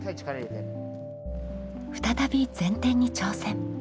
再び前転に挑戦。